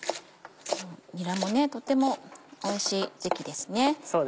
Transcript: にらもとてもおいしい時季ですね。